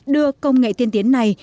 điều này đưa công nghệ tiên tiến này